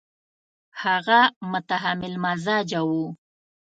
هغه متحمل مزاجه وو.